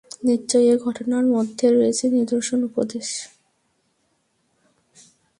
নিশ্চয় এ ঘটনার মধ্যে রয়েছে নিদর্শন—উপদেশ।